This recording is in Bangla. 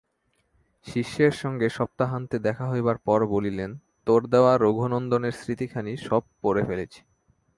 শিষ্যের সঙ্গে সপ্তাহান্তে দেখা হইবার পর বলিলেন তোর দেওয়া রঘুনন্দনের স্মৃতিখানি সব পড়ে ফেলেছি।